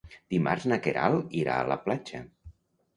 Dimarts na Queralt irà a la platja.